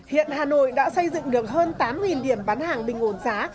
hiện hà nội đã xây dựng được hơn tám điểm bán hàng bình ổn giá